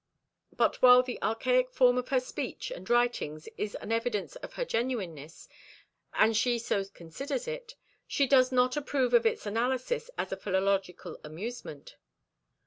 But while the archaic form of her speech and writings is an evidence of her genuineness, and she so considers it, she does not approve of its analysis as a philological amusement.